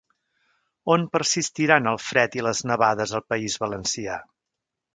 On persistiran el fred i les nevades al País Valencià?